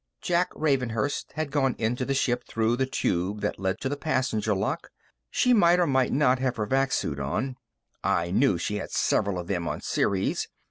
Jack Ravenhurst had gone into the ship through the tube that led to the passenger lock. She might or might not have her vac suit on; I knew she had several of them on Ceres.